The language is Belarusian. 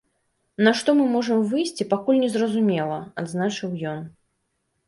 На што мы можам выйсці, пакуль незразумела, адзначыў ён.